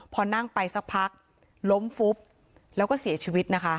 พอนั่งไปสักพักล้มฟุบแล้วก็เสียชีวิตนะคะ